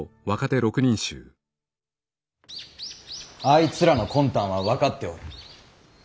あいつらの魂胆は分かっておる。